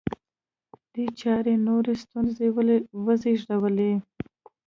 دې چارې نورې ستونزې وزېږولې